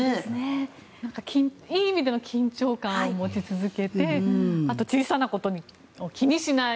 いい意味での緊張感を持ち続けてあと小さなことを気にしない。